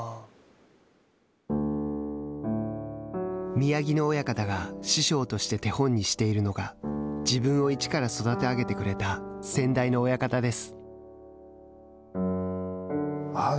宮城野親方が師匠として手本にしているのが自分を一から育て上げてくれた先代の親方です。